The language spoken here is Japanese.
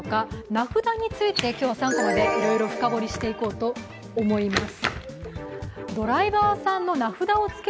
名札について今日は３コマでいろいろ深掘りしていこうと思います。